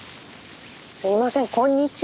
すいませんこんにちは。